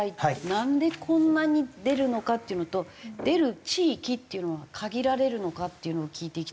なんでこんなに出るのかっていうのと出る地域っていうのは限られるのかっていうのを聞いていきたいんですけど。